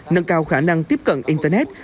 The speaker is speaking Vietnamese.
nâng cao khả năng tiếp cận internet